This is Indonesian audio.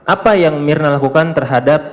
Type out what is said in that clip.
apa yang mirna lakukan terhadap